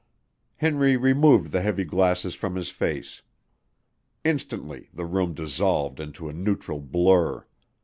Henry removed the heavy glasses from his face. Instantly the room dissolved into a neutral blur.